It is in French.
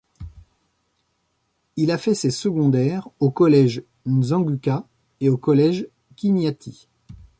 Il a fait ses secondaires au Collège Nzanguka et au collège Kiniati.